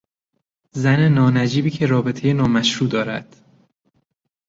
زن نانجیبی که رابطهی نامشروع دارد